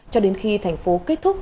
cho đến khi thành phố kết thúc